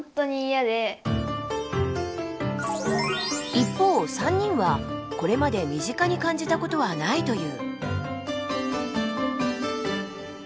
一方３人はこれまで身近に感じたことはないという。